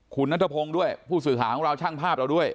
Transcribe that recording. คุณนัทพงศ์ด้วยผู้สื่อข่าวของเราช่างภาพเราด้วย